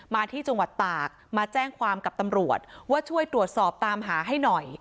มาที่จังหวัดตากมาแจ้งความกับตำรวจว่าช่วยตรวจสอบตามหาให้หน่อย